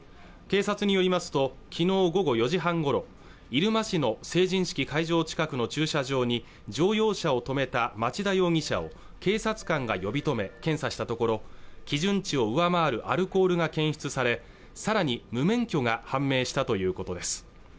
警察によりますときのう午後４時半ごろ入間市の成人式会場近くの駐車場に乗用車を止めた町田容疑者を警察官が呼び止め検査したところ基準値を上回るアルコールが検出されさらに無免許が判明したということです